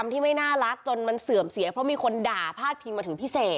ที่ไม่น่ารักจนมันเสื่อมเสียเพราะมีคนด่าพาดพิงมาถึงพิเศษ